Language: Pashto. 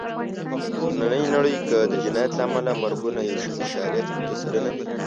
نننۍ نړۍ کې د جنایت له امله مرګونه یو عشاریه پینځه سلنه دي.